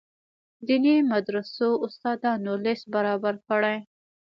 دیني مدرسو استادانو لست برابر کړي.